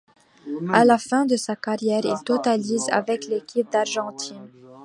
À la fin de sa carrière, il totalise avec l'Équipe d'Argentine.